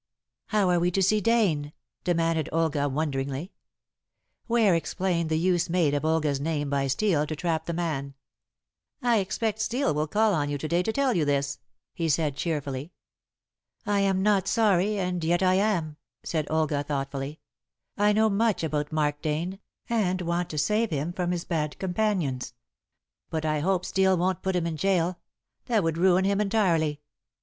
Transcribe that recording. "How are we to see Dane?" demanded Olga wonderingly. Ware explained the use made of Olga's name by Steel to trap the man. "I expect Steel will call on you to day to tell you this," he said cheerfully. "I am not sorry, and yet I am," said Olga thoughtfully. "I know much about Mark Dane, and want to save him from his bad companions. But I hope Steel won't put him in gaol; that would ruin him entirely.